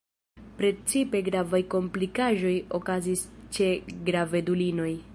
Precipe gravaj komplikaĵoj okazis ĉe gravedulinoj.